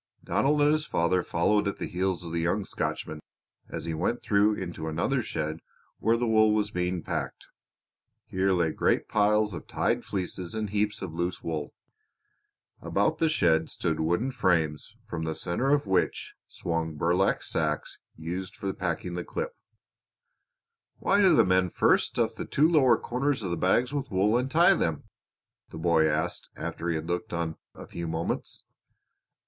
Donald and his father followed at the heels of the young Scotchman as he went through into another shed where the wool was being packed. Here lay great piles of tied fleeces and heaps of loose wool. About the shed stood wooden frames from the center of which swung burlap sacks used for packing the clip. "Why do the men first stuff the two lower corners of the bags with wool and tie them?" the boy asked after he had looked on a few moments.